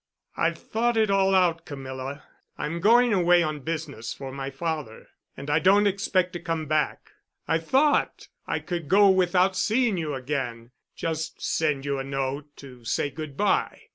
"I've thought it all out, Camilla. I'm going away on business for my father, and I don't expect to come back. I thought I could go without seeing you again—just send you a note to say good by.